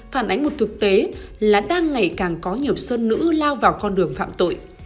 phản ánh một thực tế là đang ngày càng có nhiều sơn nữ lao vào con đường phạm tội